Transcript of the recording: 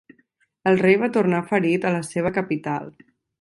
El rei va tornar ferit a la seva capital.